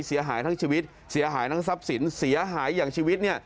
เสียหายทั้งชีวิตเสียหายทั้งทรัพย์สินเสียหายอย่างชีวิตเนี่ย